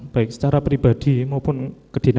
baik secara pribadi maupun kedua dua